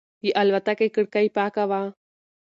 د الوتکې کړکۍ پاکه وه.